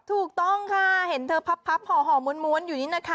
ถูกต้องค่ะเห็นเธอพับห่อม้วนอยู่นี่นะคะ